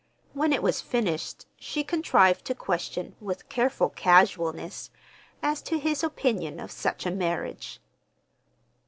When it was finished she contrived to question with careful casualness, as to his opinion of such a marriage.